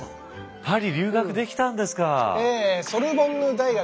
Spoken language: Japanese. パリ留学できたんですか。